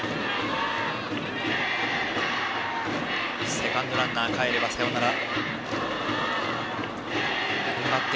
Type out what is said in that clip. セカンドランナーかえればサヨナラ。